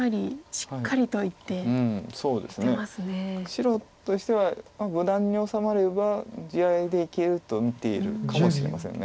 白としては無難に治まれば地合いでいけると見ているかもしれません。